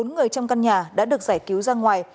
bốn người trong căn nhà đã được giải cứu ra ngoài